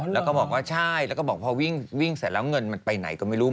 แล้วก็บอกว่าใช่แล้วก็บอกพอวิ่งเสร็จแล้วเงินมันไปไหนก็ไม่รู้